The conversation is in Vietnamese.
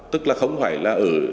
tức là không phải là ở